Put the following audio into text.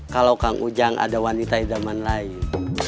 kalau kang ujang ada wanita idaman lain